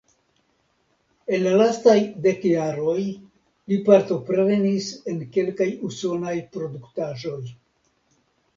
En la lastaj dek jaroj li partoprenis en kelkaj usonaj produktaĵoj.